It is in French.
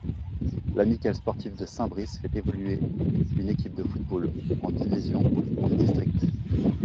L'Amicale sportive de Saint-Brice fait évoluer une équipe de football endivision de district.